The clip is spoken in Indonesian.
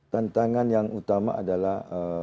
tantangan yang utama adalah